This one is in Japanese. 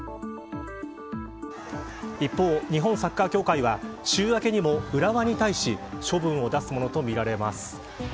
一方、日本サッカー協会は週明けにも浦和に対し処分を出すものとみられます。